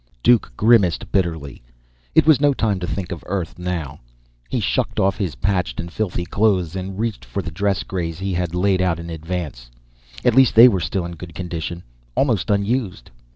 Duke grimaced bitterly. It was no time to think of Earth now. He shucked off his patched and filthy clothes and reached for the dress grays he had laid out in advance; at least they were still in good condition, almost unused.